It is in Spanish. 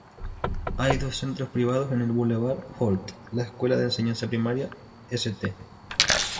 Hay dos centros privados en el Bulevar Holt: la Escuela de Enseñanza Primaria St.